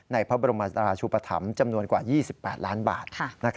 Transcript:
ในพระบรมราชุปธรรมจำนวนกว่า๒๘ล้านบาท